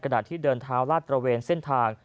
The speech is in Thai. กระหนักที่เดินทางลาดตระเวนเส้นทาง